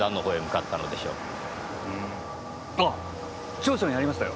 調書にありましたよ。